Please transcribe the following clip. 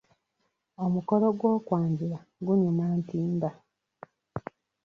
Omukolo gw'okwanjula gunyuma ntimba.